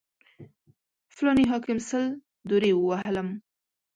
فلاني حاکم سل درې ووهلم.